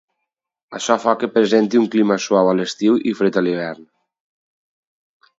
Això fa que presenti un clima suau a l'estiu i fred a l'hivern.